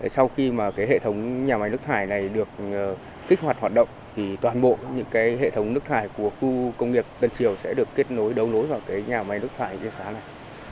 sau khi mà cái hệ thống nhà máy nước thải này được kích hoạt hoạt động thì toàn bộ những cái hệ thống nước thải của cụm công nghiệp tân triều sẽ được kết nối đấu nối vào cái nhà máy nước thải yên xá này